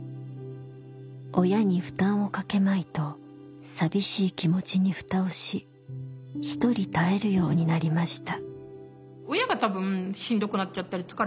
親に負担をかけまいと寂しい気持ちにふたをしひとり耐えるようになりました。